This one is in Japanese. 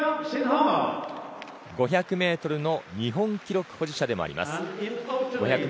５００ｍの日本記録保持者でもあります。